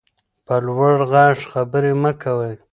په لوړ غږ خبرې مه کوئ.